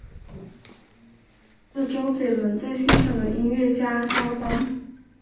专辑取名自周杰伦最欣赏的音乐家萧邦。